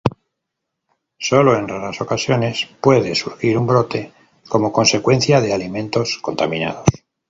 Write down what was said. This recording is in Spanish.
Solo en raras ocasiones puede surgir un brote como consecuencia de alimentos contaminados.